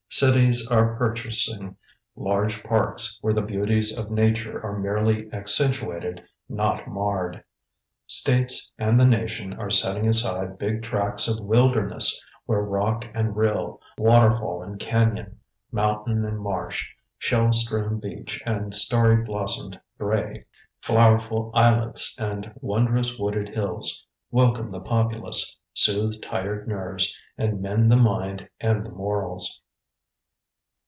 Cities are purchasing large parks where the beauties of nature are merely accentuated, not marred. States and the nation are setting aside big tracts of wilderness where rock and rill, waterfall and cañon, mountain and marsh, shell strewn beach and starry blossomed brae, flowerful islets and wondrous wooded hills welcome the populace, soothe tired nerves and mend the mind and the morals.